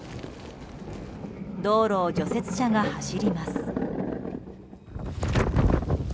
道路を除雪車が走ります。